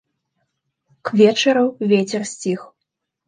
К вечару вецер сціх.